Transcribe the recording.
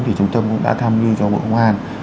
trung tâm cũng đã tham dự cho bộ ngoan